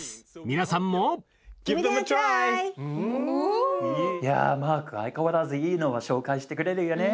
皆さんもいやマーク相変わらずいいのを紹介してくれるよね。